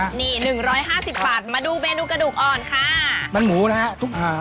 นี่หนึ่งร้อยห้าสิบบาทมาดูเมนูกระดูกอ่อนค่า